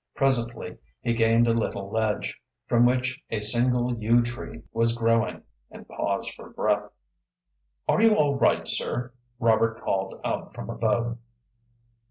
Presently he gained a little ledge, from which a single yew tree was growing, and paused for breath. "Are you all right, sir?" Robert called out from above.